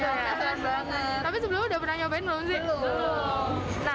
tapi sebelumnya udah pernah nyobain belum sih